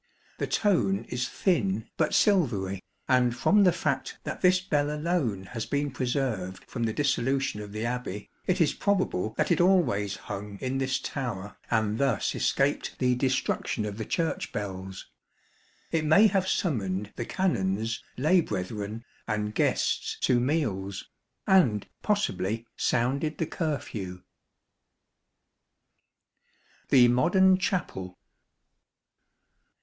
The tone is thin, but silvery, and from the fact that this bell alone has been preserved from the dissolution of the Abbey, it is probable that it always hung in this tower and thus escaped the destruction of the Church bells. It may have summoned the Canons, lay brethren, and guests to meals ; and possibly sounded the curfew. The Modern Chapel.